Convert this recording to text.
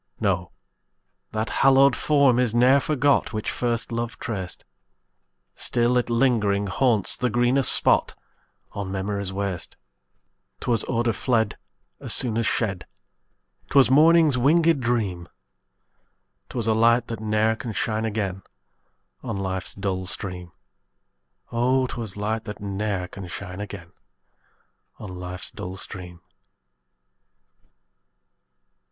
No, that hallowed form is ne'er forgot Which first love traced; Still it lingering haunts the greenest spot On memory's waste. 'Twas odor fled As soon as shed; 'Twas morning's winged dream; 'Twas a light, that ne'er can shine again On life's dull stream: Oh! 'twas light that ne'er can shine again On life's dull stream.